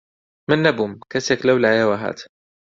من نەبووم، کەسێک لەولایەوە هات